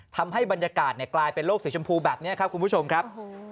ทำให้บรรยากาศกลายเป็นโลกสีชมพูแบบนี้ครับคุณผู้ชมครับ